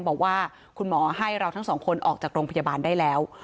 บอกว่าคุณหมอให้เราทั้งสองคนออกจากโรงพยาบาลได้แล้ว